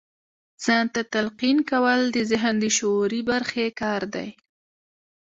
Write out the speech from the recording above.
ځان ته تلقين کول د ذهن د شعوري برخې کار دی.